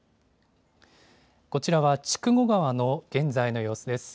こちらは筑後川の現在の様子です。